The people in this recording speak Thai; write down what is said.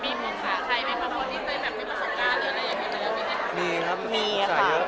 มีมุมค่ะใช่ไหมครับเพราะว่านี่เป็นแบบไม่ประสบการณ์เลยนะ